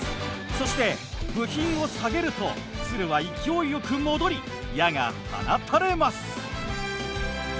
そして部品を下げると弦は勢いよく戻り矢が放たれます。